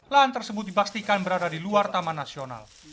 lahan tersebut dibaktikan berada di luar taman nasional